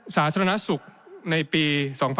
สาธารณสุขในปี